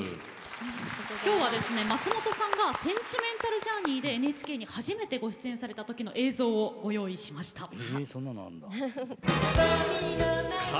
松本さんが「センチメンタル・ジャーニー」でＮＨＫに初めてご出演されたときの映像をご用意しました。